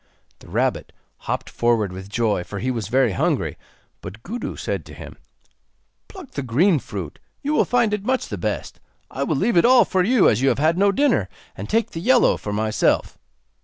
The rabbit hopped forward with joy, for he was very hungry; but Gudu said to him: 'Pluck the green fruit, you will find it much the best. I will leave it all for you, as you have had no dinner, and take the yellow for myself.